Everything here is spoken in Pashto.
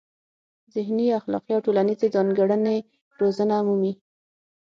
ذهني، اخلاقي او ټولنیزې ځانګړنې روزنه مومي.